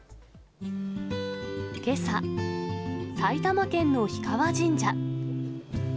けさ、埼玉県の氷川神社。